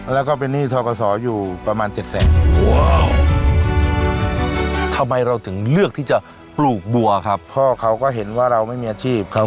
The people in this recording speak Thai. แล้วก็เป็นนี่ท้อกสอยู่ประมาณ๗๐๐๐๐๐บาท